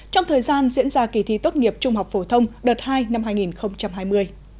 trong thời gian diễn ra kỳ thi tốt nghiệp trung học phổ thông đợt hai năm hai nghìn hai mươi